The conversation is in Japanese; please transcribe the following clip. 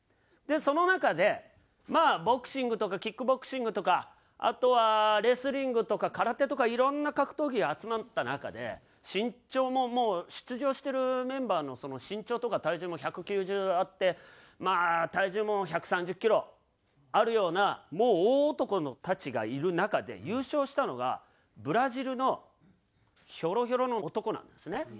その中でまあボクシングとかキックボクシングとかあとはレスリングとか空手とかいろんな格闘技が集まった中で身長ももう出場してるメンバーの身長とか体重も１９０あってまあ体重も１３０キロあるようなもう大男たちがいる中で優勝したのがブラジルのヒョロヒョロの男なんですね。